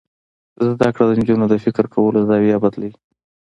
زده کړه د نجونو د فکر کولو زاویه بدلوي.